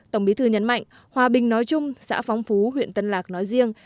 tổng bí thư nhấn mạnh hòa bình nói chung xã phong phú huyện tân lạc nói riêng